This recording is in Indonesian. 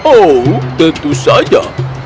oh tentu saja